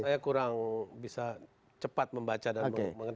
saya kurang bisa cepat membaca dan mengetahui